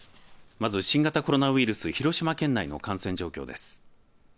まず新型コロナウイルス広島県内の感染状況です。